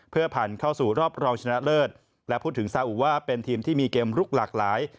เพื่อผ่านเข้าสู่รอบรองชนะเลิศและพูดถึงซาอุว่าเป็นทีมที่มีเกมลุกหลากหลาย